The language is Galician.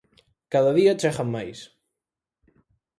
Cada día chegan máis.